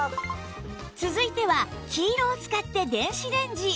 続いては黄色を使って電子レンジ